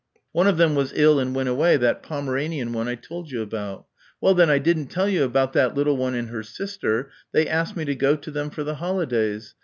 One of them was ill and went away that Pomeranian one I told you about. Well, then, I didn't tell you about that little one and her sister they asked me to go to them for the holidays.